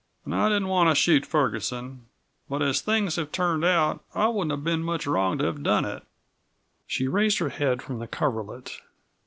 "And I didn't want to shoot Ferguson. But as things have turned out I wouldn't have been much wrong to have done it." She raised her head from the coverlet.